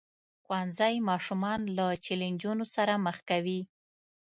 ښوونځی ماشومان له چیلنجونو سره مخ کوي.